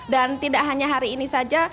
dan tidak hanya hari ini saja